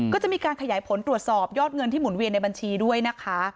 ก็จะมีการขยายผลตรวจสอบยอดเงินที่หมุนเวียนในบัญชีด้วยนะคะ